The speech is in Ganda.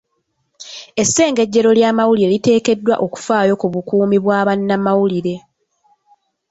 Essengejero ly'amawulire liteekeddwa okufaayo ku bukuumi bwa bannamawulire .